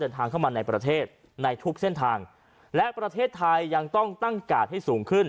ทางเข้ามาในประเทศในทุกเส้นทางและประเทศไทยยังต้องตั้งกาดให้สูงขึ้น